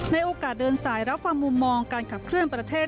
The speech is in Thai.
โอกาสเดินสายรับฟังมุมมองการขับเคลื่อนประเทศ